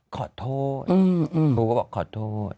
ขอโทษครูก็บอกขอโทษ